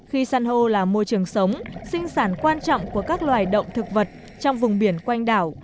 khi san hô là môi trường sống sinh sản quan trọng của các loài động thực vật trong vùng biển quanh đảo